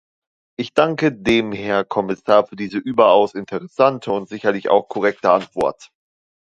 Ich danke dem Herrn Kommissar für diese überaus interessante und sicherlich auch korrekte Antwort.